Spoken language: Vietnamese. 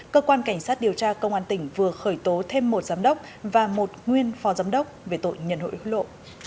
cơ quan cảnh sát điều tra công an tỉnh vừa khởi tố thêm một giám đốc và một nguyên phò giám đốc về tội nhận hối lộ